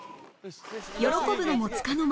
喜ぶのもつかの間